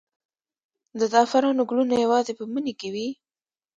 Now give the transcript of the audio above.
د زعفرانو ګلونه یوازې په مني کې وي؟